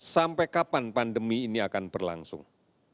sampai kapan pandemi ini akan berlangsung